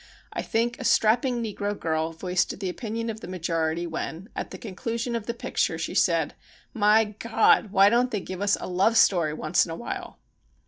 I think a strapping negro girl voiced the opinion of the majority when, at the conclusion of the pic ture, she said : "My Gawd, why don't they give us a love story once in a while